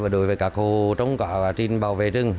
đối với các hồ trong cả trình bảo vệ rừng